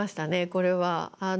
これは。